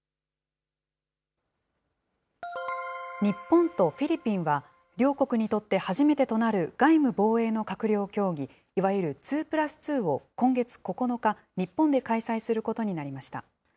日本とフィリピンは両国にとって初めてとなる外務・防衛の閣僚協議、いわゆる２＋２を今月９日、日本で開催することになりました。